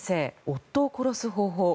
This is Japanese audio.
「夫を殺す方法」。